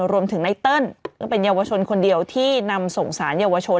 รวมถึงนายเติ๊ตเป็นเยาวชนคนเดียวที่นำส่งสารเยาวชน